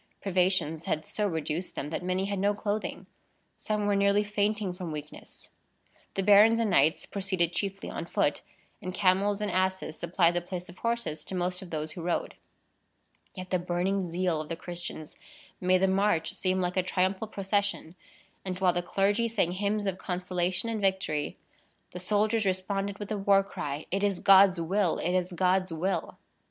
Privations had so reduced them, that many had no clothing. Some were nearly fainting from weakness. The barons and knights proceeded chiefly on foot, and camels and asses supplied the place of horses to most of those who rode. Yet the burning zeal of the Christians made the march seem like a triumphal procession; and while the clergy sang hymns of consolation and victory, the soldiers responded with the war cry, "It is God's will! It is God's will!"